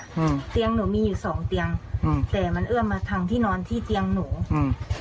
อืมเตียงหนูมีอยู่สองเตียงอืมแต่มันเอื้อมมาทางที่นอนที่เตียงหนูอืม